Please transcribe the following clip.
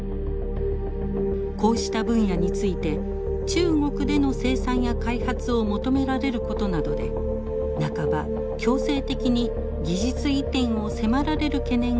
こうした分野について中国での生産や開発を求められることなどで半ば強制的に技術移転を迫られる懸念が高まっています。